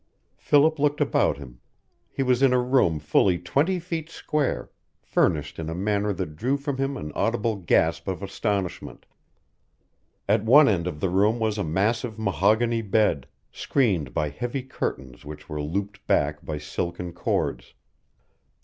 Philip looked about him. He was in a room fully twenty feet square, furnished in a manner that drew from him an audible gasp of astonishment. At one end of the room was a massive mahogany bed, screened by heavy curtains which were looped back by silken cords.